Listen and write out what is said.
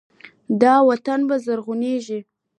دا وطن به زرغونیږي.